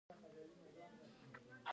ډوپامين چې کم شي نو د انسان څوشالي